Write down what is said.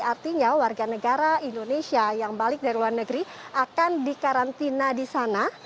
artinya warga negara indonesia yang balik dari luar negeri akan dikarantina di sana